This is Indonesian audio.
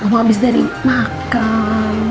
kamu habis dari makan